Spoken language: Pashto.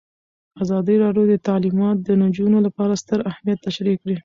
ازادي راډیو د تعلیمات د نجونو لپاره ستر اهميت تشریح کړی.